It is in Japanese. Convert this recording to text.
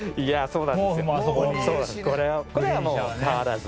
これはもう変わらず。